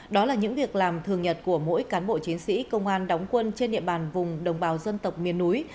đó là những việc làm thường nhật của mỗi cán bộ chiến sĩ công an đóng quân trên địa bàn vùng đồng bào dân tộc miền núi